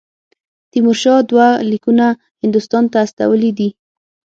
تیمورشاه دوه لیکونه هندوستان ته استولي دي.